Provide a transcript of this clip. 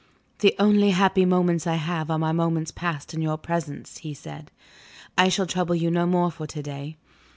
"The only happy moments I have are my moments passed in your presence," he said. "I shall trouble you no more for to day.